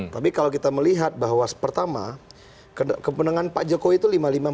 tapi kalau kita melihat bahwa pertama kemenangan pak jokowi itu lima lima empat